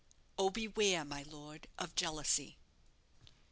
"O BEWARE, MY LORD, OF JEALOUSY."